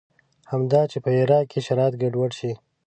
همدا چې په عراق کې شرایط ګډوډ شي.